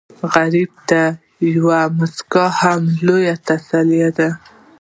غریب ته یوه موسکا لوی تسل دی